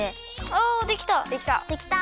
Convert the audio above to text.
おできた！